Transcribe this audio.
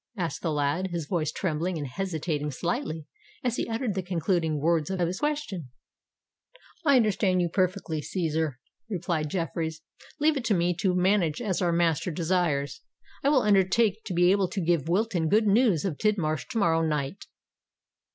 asked the lad, his voice trembling and hesitating slightly as he uttered the concluding words of his question. "I understand you perfectly, Cæsar," replied Jeffreys. "Leave it to me to manage as our master desires: I will undertake to be able to give Wilton good news of Tidmarsh to morrow night."